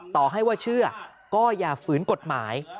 ต่อให้ว่าเชื่อก็อย่าฝืนกฎหมาย